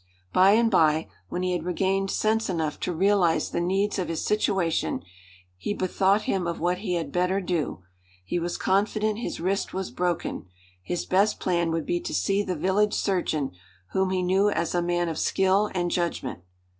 By and by, when he had regained sense enough to realize the needs of his situation, he bethought him of what he had better do. He was confident his wrist was broken. His best plan would be to see the village surgeon, whom he knew as a man of skill and judgment.